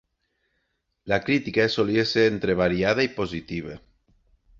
La crítica solia ser entre variada i positiva.